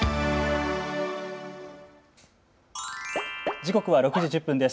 時刻は６時１０分です。